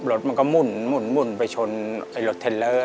รถมันก็หมุนไปชนรถเทลเลอร์